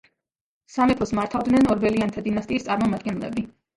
სამეფოს მართავდნენ ორბელიანთა დინასტიის წარმომადგენლები.